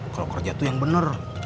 kalau kerja tuh yang bener